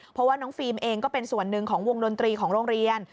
เพราะว่าน้องฟิล์มเองก็เป็นส่วนหนึ่งของวงดนตรีของโรงเรียน